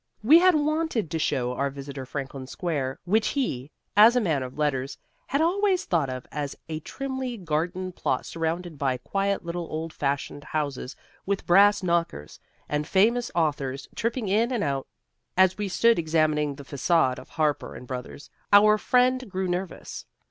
We had wanted to show our visitor Franklin Square, which he, as a man of letters, had always thought of as a trimly gardened plot surrounded by quiet little old fashioned houses with brass knockers, and famous authors tripping in and out. As we stood examining the façade of Harper and Brothers, our friend grew nervous.